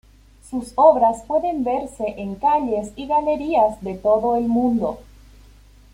Sus obras pueden verse en calles y galerías de todo el mundo.